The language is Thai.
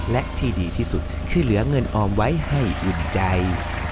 และที่ดีที่สุดคือเหลือเงินออมไว้ให้อุ่นใจ